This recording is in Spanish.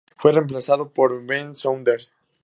Fue reemplazado por Ben Saunders.